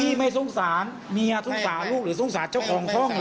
ไม่สงสารเมียสงสารลูกหรือสงสารเจ้าของห้องเหรอ